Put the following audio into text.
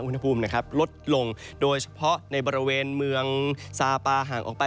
อุณหภูมิลดลงโดยเฉพาะในบริเวณเมืองซาปาห่างออกไป